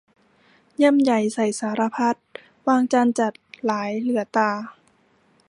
ยำใหญ่ใส่สารพัด วางจานจัดหลายเหลือตรา